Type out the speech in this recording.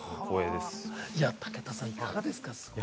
武田さん、いかがですか？